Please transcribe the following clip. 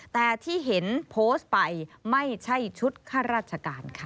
แต่ที่เห็นโพสต์ไปไม่ใช่ชุดข้าราชการค่ะ